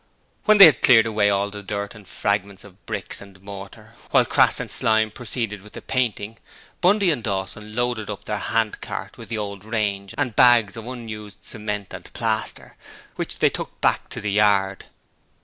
When they had cleared away all the dirt and fragments of bricks and mortar, while Crass and Slyme proceeded with the painting, Bundy and Dawson loaded up their hand cart with the old range and the bags of unused cement and plaster, which they took back to the yard.